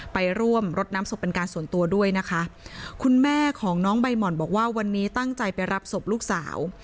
ไปร่วมรดน้ำศพเป็นการส่วนตัวด้วยนะคะคุณแม่ของน้องใบหม่อนบอกว่าวันนี้ตั้งใจไปรับศพลูกสาว